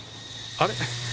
あれ？